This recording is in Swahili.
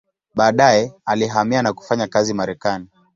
Baadaye alihamia na kufanya kazi Marekani.